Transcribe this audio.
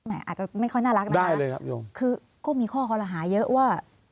อาจจะไม่ค่อยน่ารักนะคะคือก็มีข้อคอรหาเยอะว่า